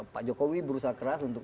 pak jokowi berusaha keras untuk